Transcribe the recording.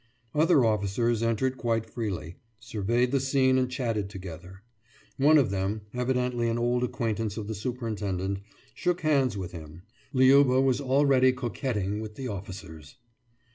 « Other officers entered quite freely, surveyed the scene and chatted together. One of them, evidently an old acquaintance of the superintendent, shook hands with him. Liuba was already coquetting with the officers.